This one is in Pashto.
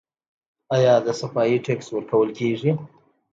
آیا د صفايي ټکس ورکول کیږي؟